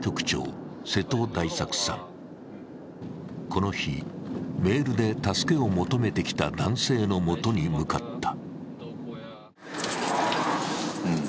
この日、メールで助けを求めてきた男性のもとに向かった。